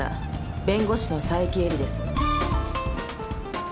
弁護士の佐伯絵里です。